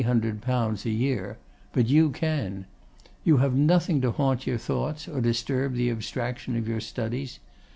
_ per annum; but you can. You have nothing to haunt your thoughts, or disturb the abstraction of your studies.